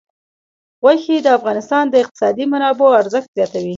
غوښې د افغانستان د اقتصادي منابعو ارزښت زیاتوي.